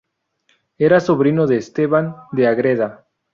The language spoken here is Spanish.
Era sobrino de Esteban de Ágreda.